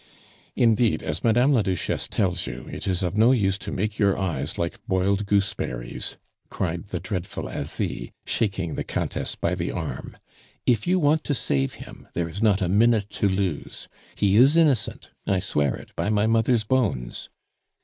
"Indeed, as Madame la Duchesse tells you, it is of no use to make your eyes like boiled gooseberries," cried the dreadful Asie, shaking the Countess by the arm. "If you want to save him, there is not a minute to lose. He is innocent I swear it by my mother's bones!"